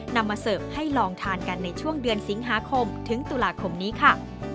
นำมาเสิร์ฟให้ลองทานกันในช่วงเดือนสิงหาคมถึงตุลาคมนี้ค่ะ